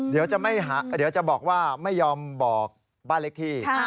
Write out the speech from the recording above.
เดี๋ยวจะบอกว่าไม่ยอมบอกบ้านเล็กที่